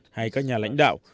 hay các nhà lãnh đạo